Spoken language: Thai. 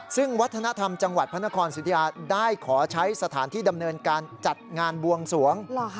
ซึ่งวัฒนธรรมจังหวัดพระนครสุธิยาได้ขอใช้สถานที่ดำเนินการจัดงานบวงสวง